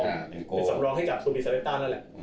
เป็นสำรองให้กับชนบุรีซาเลต้านั่นแหละ